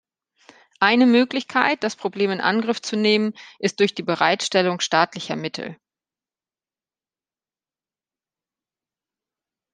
Eine Möglichkeit, das Problem in Angriff zu nehmen, ist durch die Bereitstellung staatlicher Mittel.